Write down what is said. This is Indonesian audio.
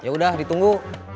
ya udah ditunggu